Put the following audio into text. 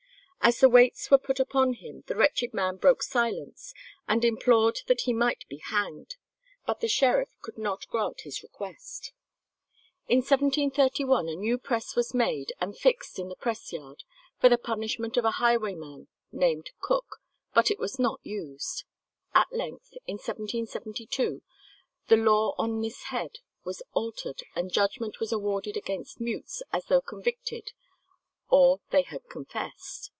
As the weights were put upon him the wretched man broke silence and implored that he might be hanged, but the sheriff could not grant his request. In 1731 a new press was made and fixed in the press yard, for the punishment of a highwayman named Cook, but it was not used. At length, in 1772, the law on this head was altered and judgment was awarded against mutes as though convicted or they had confessed.